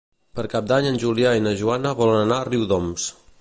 Per Cap d'Any en Julià i na Joana volen anar a Riudoms.